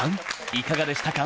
いかがでしたか？